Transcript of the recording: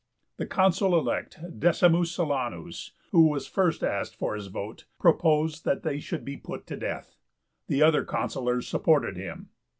The Consul elect, D. Silanus, who was first asked for his vote, proposed that they should be put to death. The other consulars supported him.